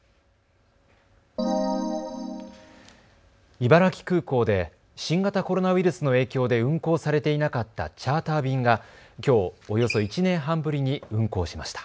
茨城空港で新型コロナウイルスの影響で運航されていなかったチャーター便がきょう、およそ１年半ぶりに運航しました。